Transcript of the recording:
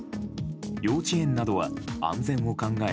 幼稚園などは安全を考え